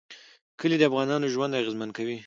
کلي د افغانانو ژوند اغېزمن کوي.